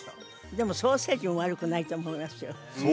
でもソーセージも悪くないと思いますよ